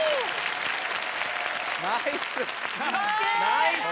・ナイス！